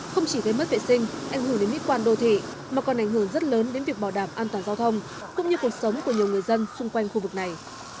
không chỉ gây mất vệ sinh ảnh hưởng đến mỹ quan đô thị mà còn ảnh hưởng rất lớn đến việc bảo đảm an toàn giao thông cũng như cuộc sống của nhiều người dân xung quanh khu vực này